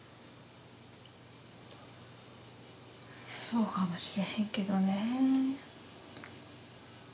そうかもしれへんけどねえ。